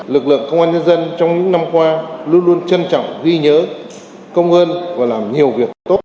lực lượng công an nhân dân trong những năm qua luôn luôn trân trọng ghi nhớ công ơn và làm nhiều việc tốt